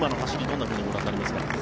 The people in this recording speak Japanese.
どんなふうにご覧になりますか？